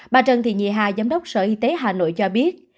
bà trần thị nhì hà giám đốc sở y tế hà nội cho biết